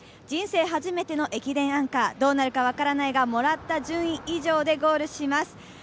人生初めての駅伝アンカー、どうなるか分からないが、もらった順位以上でゴールします